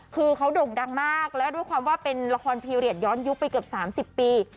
คือเขาโด่งดังมากแล้วด้วยความว่าเป็นละครพีเรียสย้อนยุคไปเกือบ๓๐ปี